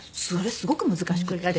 すごく難しくて。